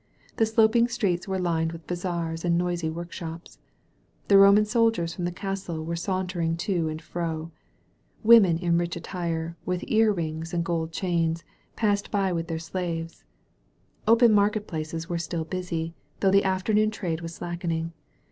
The sloping streets were lined with bazaars and noisy workshops. The Roman soldiers from the castle were sauntering to and fro. Women in rich attire, with ear riogs and gold chains, passed by with their slaves. Open market places were still busy, though the afternoon trade was slackening.